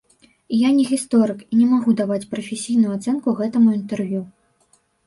Я не гісторык і не магу даваць прафесійную ацэнку гэтаму інтэрв'ю.